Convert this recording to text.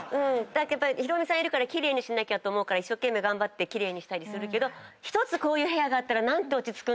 だけどヒロミさんいるから奇麗にしなきゃと思うから頑張って奇麗にしたりするけど１つこういう部屋があったら。